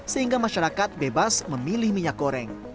sehingga masyarakat bebas memilih minyak goreng